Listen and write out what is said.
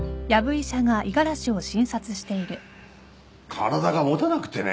体が持たなくてね。